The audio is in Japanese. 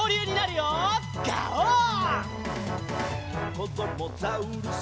「こどもザウルス